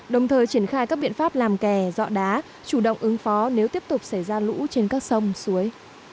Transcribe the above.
đồng thời triển khai các biện pháp làm kè dọ đá chủ động ứng phó nếu tiếp tục xảy ra lũ trên các sông suối